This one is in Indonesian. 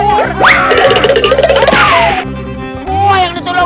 kenapa jadi anak buah yang lu akut